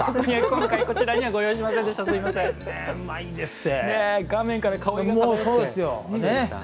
今回、こちらにはご用意しませんでした。